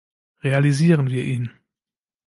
Realisieren wir ihn.